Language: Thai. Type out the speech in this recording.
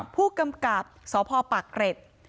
ผู้กำกับสพปากเกร็ด